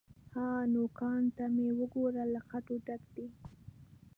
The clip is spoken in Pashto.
_ها! نوکانو ته مې وګوره، له خټو ډک دي.